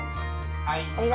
はい。